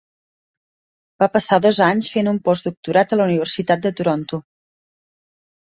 Va passar dos anys fent un postdoctorat a la Universitat de Toronto.